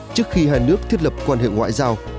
trước khi hai nước thiết lập quan hệ ngoại giao